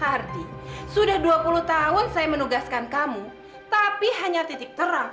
arti sudah dua puluh tahun saya menugaskan kamu tapi hanya titik terang